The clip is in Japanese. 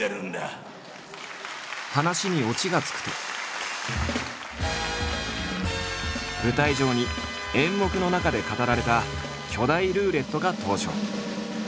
話にオチがつくと舞台上に演目の中で語られた巨大ルーレットが登場。